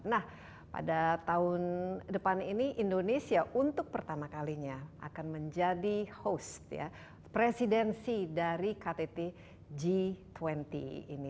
nah pada tahun depan ini indonesia untuk pertama kalinya akan menjadi host ya presidensi dari ktt g dua puluh ini